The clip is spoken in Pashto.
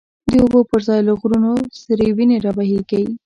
د اوبو پر ځای له غرونو، سری وینی را بهیږی